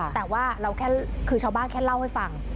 แต่ว่าเราแค่คือชาวบ้านแค่เล่าให้ฟัง